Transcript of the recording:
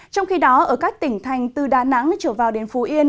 trong khi đó ở các tỉnh thành từ đà nẵng trở vào đến phú yên